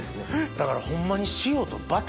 だからホンマに。